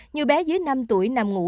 nhiều bé dưới năm tuổi nằm ngủ